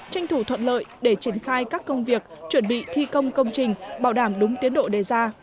tranh thủ thuận lợi để triển khai các công việc chuẩn bị thi công công trình bảo đảm đúng tiến độ đề ra